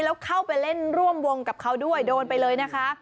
แล้วเข้าไปเล่นร่วมวงกับเขาด้วยโดนไปเลยนะคะ